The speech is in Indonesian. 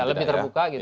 iya lebih terbuka gitu